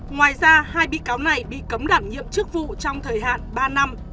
ngoài ra hai bị cáo này bị cấm đảm nhiệm chức vụ trong thời hạn ba năm